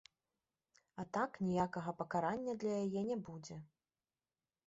А так ніякага пакарання для яе не будзе.